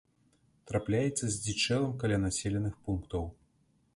Трапляецца здзічэлым каля населеных пунктаў.